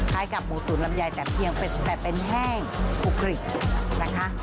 คล้ายกับหมูตูนลำไยแต่เป็นแห้งปลูกกริกนะคะ